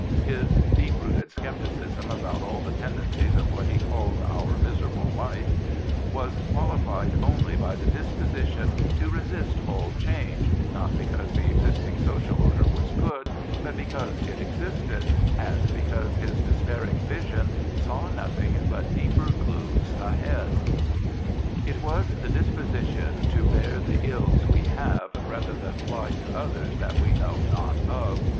"' His deep rooted scepticism about all the tendencies of what he called our miserable life " was qualified only by the disposition to resist all change, not because the existing social order was good, but because it existed, and because his despair ing vision saw nothing but deeper glooms ahead. It was the disposition to bear the ills we have rather than fly to others that we know not of.